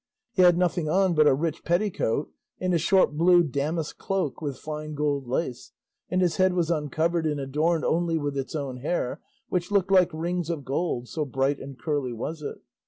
He had nothing on but a rich petticoat and a short blue damask cloak with fine gold lace, and his head was uncovered and adorned only with its own hair, which looked like rings of gold, so bright and curly was it.